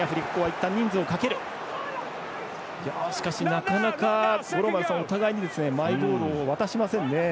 なかなか、お互いにマイボールを渡しませんね。